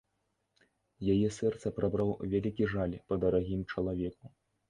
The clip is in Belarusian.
Яе сэрца прабраў вялікі жаль па дарагім чалавеку.